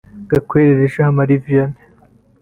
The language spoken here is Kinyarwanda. Gakwerere Jean Marie Vianney